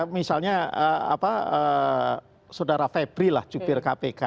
misalnya sudara febri lah jupir kpk